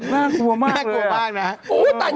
น่ากลัวมากเลย